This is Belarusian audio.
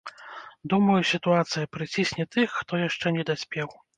Думаю, сітуацыя прыцісне тых, хто яшчэ не даспеў.